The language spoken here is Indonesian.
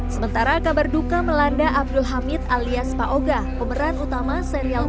sementara kabar duka melanda abdul hamid alias pak oga pemeran utama serial